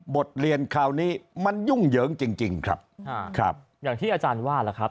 บทเรียนคราวนี้มันยุ่งเหยิงจริงจริงครับอย่างที่อาจารย์ว่าล่ะครับ